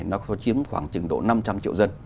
nó có chiếm khoảng trừng độ năm trăm linh triệu dân